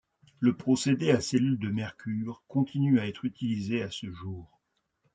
Le procédé à cellule de mercure continue à être utilisé à ce jour.